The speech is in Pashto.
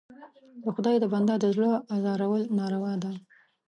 د خدای د بنده د زړه ازارول ناروا ده.